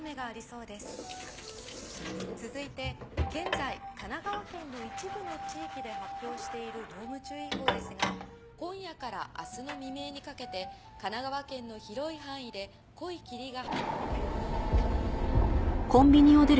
続いて現在神奈川県の一部の地域で発表している濃霧注意報ですが今夜から明日の未明にかけて神奈川県の広い範囲で濃い霧が。